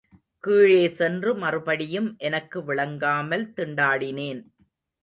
கீழே சென்று மறுபடியும் எனக்கு விளங்காமல் திண்டாடினேன்.